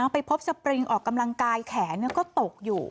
ไปพบสปริงออกกำลังกายแขนก็ตกอยู่